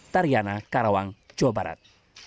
tariana karawang jawa barat